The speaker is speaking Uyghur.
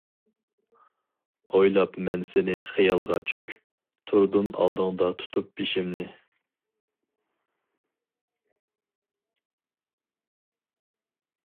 ئويلاپ مەن سېنى خىيالغا چۆكۈپ، تۇردۇم ئالدىڭدا تۇتۇپ بېشىمنى.